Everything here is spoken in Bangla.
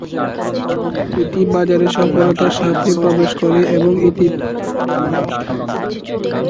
এটি বাজারে সফলতার সাথে প্রবেশ করে এবং ইতিবাচক প্রভাব ফেলে।